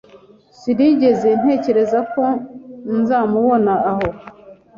Sinigeze ntekereza ko nzamubona aho.